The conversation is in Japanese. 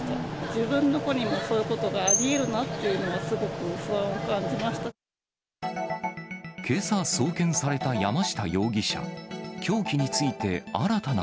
自分の子にもそういうことがあり得るなっていうのは、すごく不安けさ送検された山下容疑者。